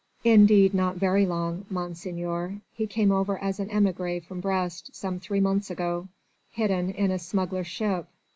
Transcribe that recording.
"Indeed not very long, Monseigneur. He came over as an émigré from Brest some three months ago, hidden in a smuggler's ship.